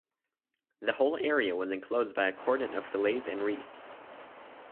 The whole area was enclosed by a cordon of fillets and wreaths.